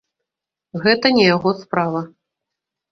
Гэта не яго справа.